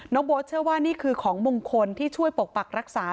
โบ๊ทเชื่อว่านี่คือของมงคลที่ช่วยปกปักรักษา